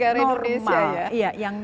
apalagi negara indonesia ya